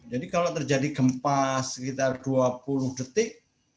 jadi kalau terjadi gempa sekitar dua puluh detik